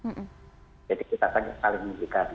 jadi kita akan